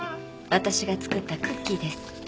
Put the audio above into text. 私が作ったクッキーです。